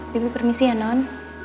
bibi permisi ya non